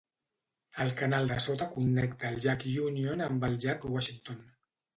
El canal de sota connecta el llac Union amb el llac Washington.